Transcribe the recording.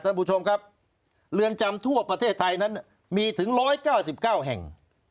ท่านผู้ชมครับเรือนจำทั่วประเทศไทยนั้นมีถึง๑๙๙แห่ง